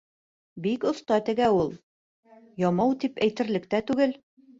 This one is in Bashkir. Бик оҫта тегә ул. Ямау тип тә әйтерлек түгел.